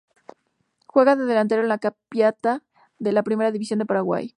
Juega de delantero en el Capiatá de la Primera División de Paraguay.